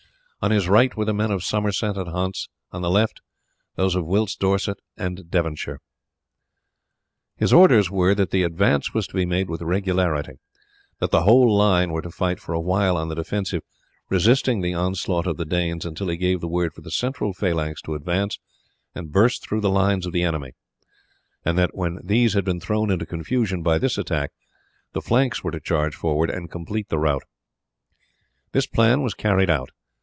On his right were the men of Somerset and Hants; on the left those of Wilts, Dorset, and Devon. His orders were that the advance was to be made with regularity; that the whole line were to fight for a while on the defensive, resisting the onslaught of the Danes until he gave the word for the central phalanx to advance and burst through the lines of the enemy, and that when these had been thrown into confusion by this attack the flanks were to charge forward and complete the rout. This plan was carried out.